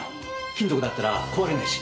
金属だったら壊れないし。